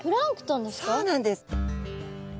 そうなんです！